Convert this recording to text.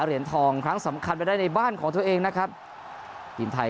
เหรียญทองครั้งสำคัญไปได้ในบ้านของตัวเองนะครับทีมไทย